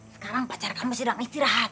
sekarang pacar kamu sudah istirahat